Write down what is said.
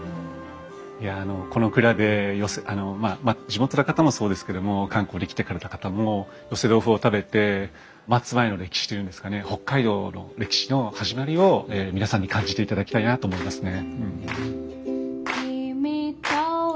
いやあのこの蔵で地元の方もそうですけども観光で来てくれた方も寄せ豆腐を食べて松前の歴史というんですかね北海道の歴史の始まりを皆さんに感じていただきたいなと思いますね。